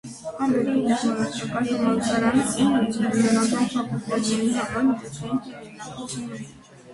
Համբուրգի տեխնոլոգիական համալսարանն իր ինժեներական ֆակուլտետների համար միջազգային հեղինակություն ունի։